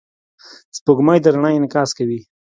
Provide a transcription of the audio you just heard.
سپوږمۍ د رڼا انعکاس کوي.